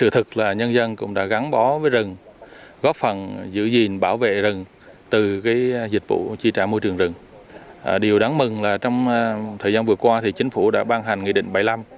thời gian vừa qua chính phủ đã ban hành nghị định bảy mươi năm